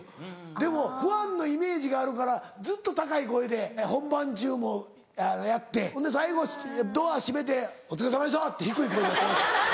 でもファンのイメージがあるからずっと高い声で本番中もやって最後ドア閉めて「お疲れさまでした！」って低い声で。